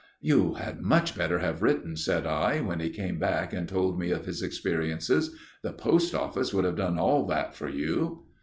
"You had much better have written," said I, when he came back and told me of his experiences. "The post office would have done all that for you."